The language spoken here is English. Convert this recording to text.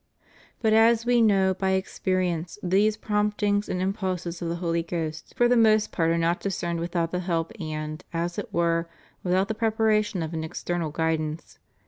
' But as we know by experience these promptings and impulses of the Holy Ghost for the most part are not discerned without the help, and, as it were, without the preparation of an external guidance.